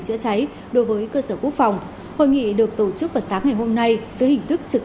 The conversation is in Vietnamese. chữa cháy đối với cơ sở quốc phòng hội nghị được tổ chức vào sáng ngày hôm nay dưới hình thức trực